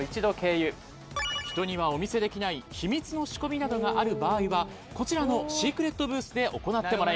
人にはお見せできない秘密の仕込みなどがある場合はこちらのシークレットブースで行ってもらいます。